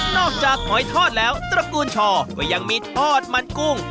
จากหอยทอดแล้วตระกูลชอก็ยังมีทอดมันกุ้ง